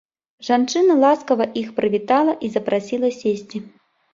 Жанчына ласкава іх прывітала і запрасіла сесці.